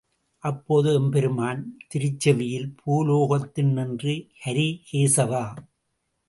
அப்போது எம்பெருமான் திருச்செவியில் பூலோகத்தி னின்றும் ஹரி கேசவா!